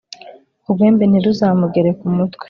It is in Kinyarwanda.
urwembe ntiruzamugere ku mutwe